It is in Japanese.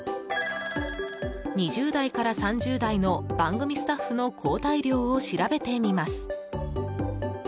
２０代から３０代の番組スタッフの抗体量を調べてみます。